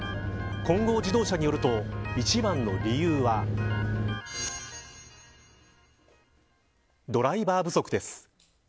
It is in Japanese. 金剛自動車によると一番の理由はドライバー不足です。